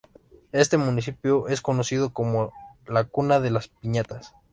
Este municipio es conocido como "la cuna de las piñatas".